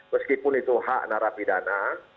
meskipun itu hak narapidana